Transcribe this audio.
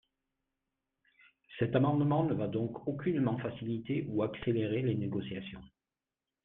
Cet amendement ne va donc aucunement faciliter ou accélérer les négociations.